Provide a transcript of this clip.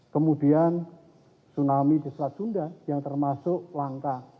kemudian tsunami di selat sunda yang termasuk langka